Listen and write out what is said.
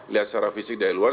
lihat secara fisik dari luar